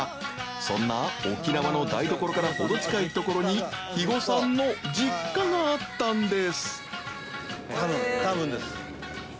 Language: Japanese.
そんな沖縄の台所から程近い所に邯紊気鵑亮族箸あったんです